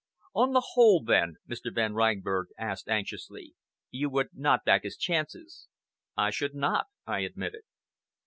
"On the whole, then," Mr. Van Reinberg asked anxiously, "you would not back his chances?" "I should not," I admitted.